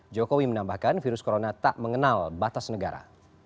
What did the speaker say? jokowi menambahkan virus corona tak mengenal batas negara